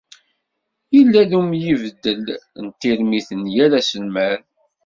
Yalla-d umyibdel n tirmit n yal aselmad.